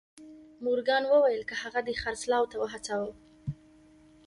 مورګان وويل که هغه دې خرڅلاو ته وهڅاوه.